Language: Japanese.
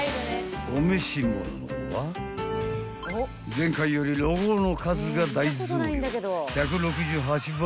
［前回よりロゴの数が大増量１６８倍］